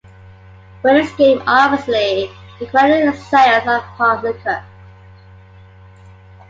But the scheme obviously required the sales of hard liquor.